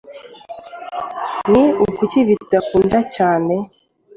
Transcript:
ni ukuri bizakunda! cyane